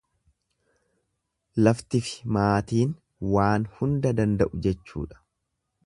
Laftifi maatiin waan hunda danda'u jechuudha.